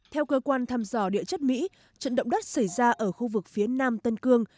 theo cơ quan thăm dò địa chất mỹ trận động đất xảy ra ở khu vực phía nam tân cương